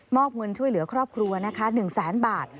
อบเงินช่วยเหลือครอบครัวนะคะ๑แสนบาท